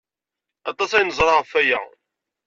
Aṭas ay neẓra ɣef waya.